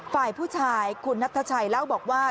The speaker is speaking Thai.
ฝ่ายผู้ชายคุณนัทชัยเล่าบอกว่า